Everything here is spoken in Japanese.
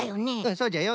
そうじゃよ。